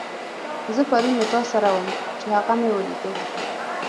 زه پرون له تاسره وم، چې هغه مې وليدو.